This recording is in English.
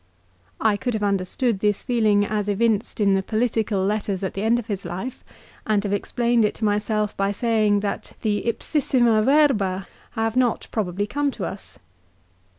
I could have understood this feeling as evinced in the political letters at the end of his life, and have explained it to myself by saying "that the "ipsissima verba" have not probably come to us.